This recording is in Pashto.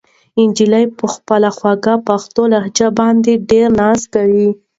نجلۍ په خپله خوږه پښتو لهجه باندې ډېر ناز کاوه.